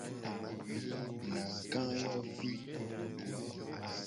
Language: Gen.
Nagayovi.